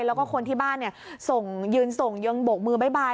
แล้วก็คนที่บ้านเนี่ยยืนส่งยึงบกมือบ๊ายบาย